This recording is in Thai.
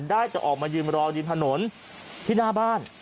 ได้แต่ออกมายืนรอริมถนนที่หน้าบ้าน